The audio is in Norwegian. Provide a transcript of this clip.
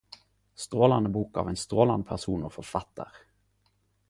Strålande bok av ein strålande person og forfattar!